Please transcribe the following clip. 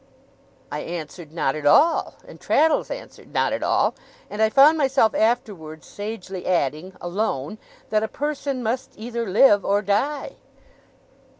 I answered 'Not at all!' and Traddles answered 'Not at all!' and I found myself afterwards sagely adding, alone, that a person must either live or die.